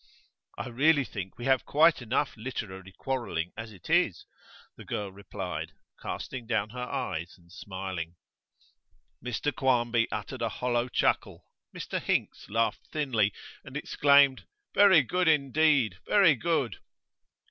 'I really think we have quite enough literary quarrelling as it is,' the girl replied, casting down her eyes and smiling. Mr Quarmby uttered a hollow chuckle, Mr Hinks laughed thinly and exclaimed, 'Very good indeed! Very good!